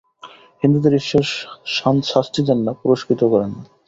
হিন্দুদের ঈশ্বর শাস্তি দেন না, পুরস্কৃতও করেন না।